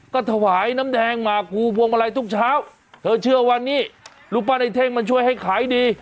ก็ถวายน้ำแดงหมากูพวงมาลัยทุกเช้าเธอเชื่อว่านี่รูปปั้นไอ้เท่งมันช่วยให้ขายดี